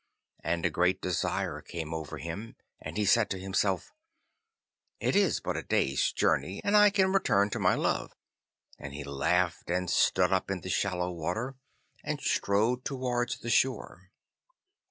And a great desire came over him, and he said to himself, 'It is but a day's journey, and I can return to my love,' and he laughed, and stood up in the shallow water, and strode towards the shore.